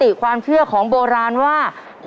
ตัวเลือกที่สองวนทางซ้าย